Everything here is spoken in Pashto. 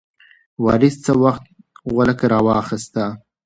وارث څه وخت غولکه راواخیسته؟